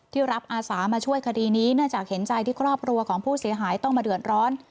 รับอาสามาช่วยคดีนี้เนื่องจากเห็นใจที่ครอบครัวของผู้เสียหายต้องมาเดือดร้อน